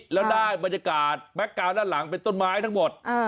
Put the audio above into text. แล้วได้บรรยากาศแม็กกาวน์ด้านหลังเป็นต้นไม้ทั้งหมด